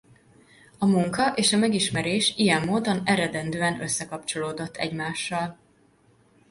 A munka és a megismerés ilyen módon eredendően összekapcsolódott egymással.